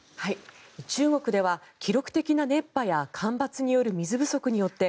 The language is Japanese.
中国では記録的な熱波や干ばつによる水不足によって